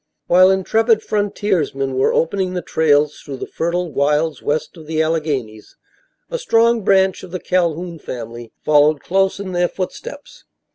While intrepid frontiersmen were opening the trails through the fertile wilds west of the Alleghanies, a strong branch of the Calhoun family followed close in their footsteps.